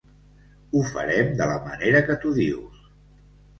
Ho farem de la manera que tu dius.